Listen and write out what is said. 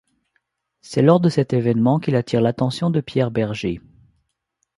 C'est lors de cet événement qu'il attire l'attention de Pierre Bergé.